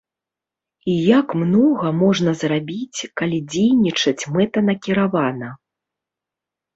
І як многа можна зрабіць, калі дзейнічаць мэтанакіравана.